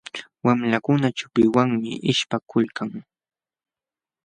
Wamlakuna chupinwanmi ishpakulkan.